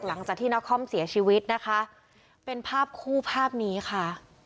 หลังจากที่นครเสียชีวิตนะคะเป็นภาพคู่ภาพนี้ค่ะ